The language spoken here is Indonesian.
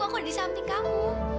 aku di samping kamu